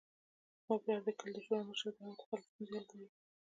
زما پلار د کلي د شورا مشر ده او د خلکو ستونزې حل کوي